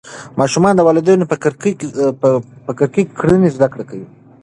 ماشومان د والدینو د کرکې کړنې زده کوي.